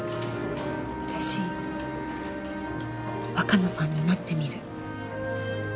私若菜さんになってみる。